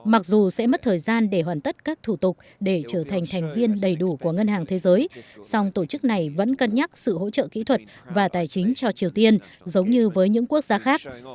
mặc dù sẽ mất thời gian để hoàn tất các thủ tục để trở thành thành viên đầy đủ của ngân hàng thế giới song tổ chức này vẫn cân nhắc sự hỗ trợ kỹ thuật và tài chính cho triều tiên giống như với những quốc gia khác